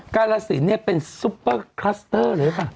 กาลสินเนี่ยเป็นซุปเปอร์คลัสเตอร์เลยหรือเปล่า